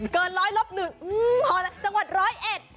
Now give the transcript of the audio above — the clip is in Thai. เกินร้อยลบหนึ่งขอแรงจังหวัด๑๐๑